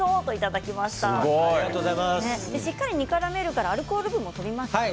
しっかり煮からめるからアルコール分も飛びますよね。